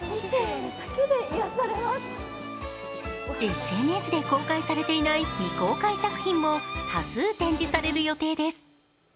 ＳＮＳで公開されていない未公開作品も多数、展示される予定です。